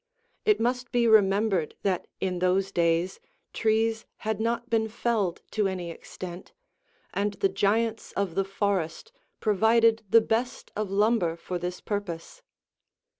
It must be remembered that in those days trees had not been felled to any extent, and the giants of the forest provided the best of lumber for this purpose.